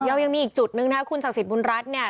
เรายังมีอีกจุดนึงนะครับคุณศักดิ์สิทธิบุญรัฐเนี่ย